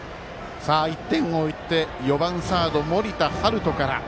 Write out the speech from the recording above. １点を追って４番サード、森田大翔から。